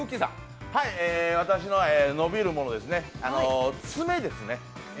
私の伸びるもの、爪ですね。